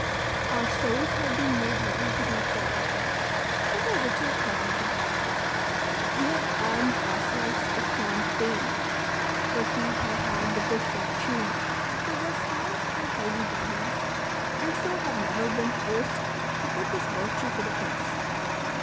Our souls have been made ready to meet poverty ; but our riches have held out. We have armed ourselves to scorn pain ; but we have had the good fortune to possess sound and healthy bodies, and so have never been forced to put this virtue to the test.